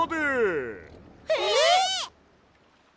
えっ！？